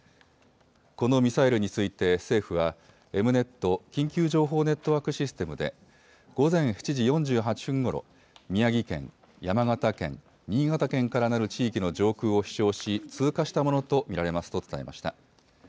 このミサイルについて政府は、エムネット・緊急情報ネットワークシステムで、午前７時４８分ごろ、宮城県、山形県、新潟県からなる地域の上空を飛しょうし、通過したものと見られますと伝えました。